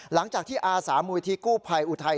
หลังจากที่อาสามูลที่กู้ภัยอุทัย